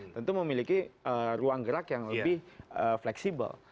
tentu memiliki ruang gerak yang lebih fleksibel